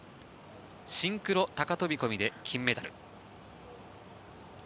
シンクロ高飛込で金メダル。